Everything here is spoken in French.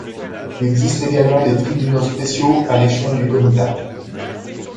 Il existe également des tribunaux spéciaux à l'échelon du comitat.